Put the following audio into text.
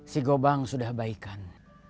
si gobang sudah baikan